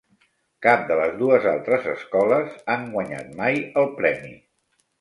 Cap de les dues altres escoles han guanyat mai el premi.